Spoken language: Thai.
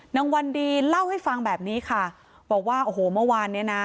วันดีเล่าให้ฟังแบบนี้ค่ะบอกว่าโอ้โหเมื่อวานเนี้ยนะ